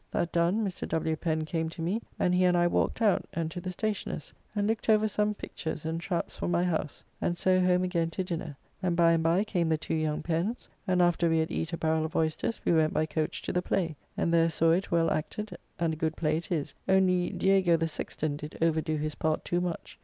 That done, Mr. W. Pen came to me and he and I walked out, and to the Stacioner's, and looked over some pictures and traps for my house, and so home again to dinner, and by and by came the two young Pens, and after we had eat a barrel of oysters we went by coach to the play, and there saw it well acted, and a good play it is, only Diego the Sexton did overdo his part too much.